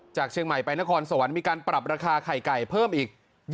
จากเชียงใหม่ไปนครสวรรค์มีการปรับราคาไข่ไก่เพิ่มอีก